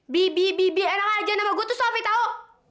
bi bi bi bi enak aja nama gue tuh sofi tau